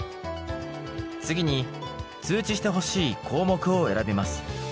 次に通知してほしい項目を選びます。